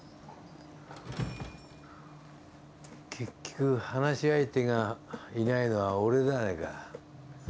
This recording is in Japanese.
結局話し相手がいないのは俺じゃないか。